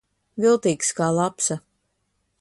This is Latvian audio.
Viltīgs kā lapsa.